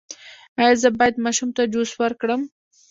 ایا زه باید ماشوم ته جوس ورکړم؟